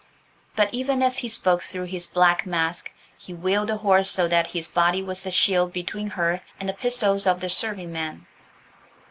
But even as he spoke through his black mask, he wheeled the horse so that his body was a shield between her and the pistols of the serving men.